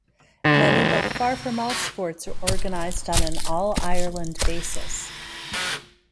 Many but far from all sports are organised on an all-Ireland basis.